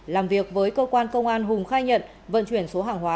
làm việc với cơ quan công an hùng khai nhận vận chuyển số hàng hóa